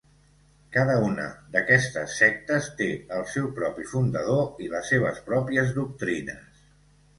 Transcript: Cada una d’aquestes sectes té el seu propi fundador i les seves pròpies doctrines.